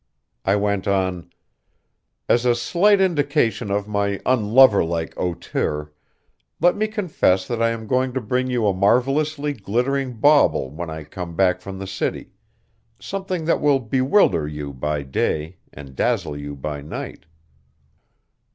I went on: "As a slight indication of my unlover like hauteur, let me confess that I am going to bring you a marvellously glittering bauble when I come back from the city, something that will bewilder you by day and dazzle you by night."